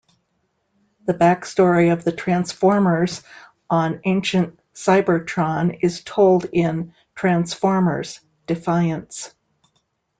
The back story of the Transformers on ancient Cybertron is told in "Transformers: Defiance".